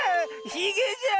ひげじゃ！